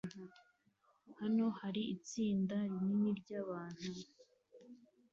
Hano hari itsinda rinini ryabantu